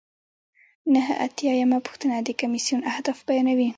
نهه اتیا یمه پوښتنه د کمیسیون اهداف بیانوي.